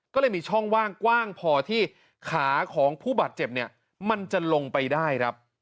ก็เลยมีช่องว่างกว้างพอที่ขาของผู้บาดเจ็บเนี่ยมันจะลงไปได้ครับ